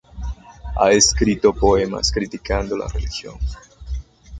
Ha escrito poemas criticando la religión.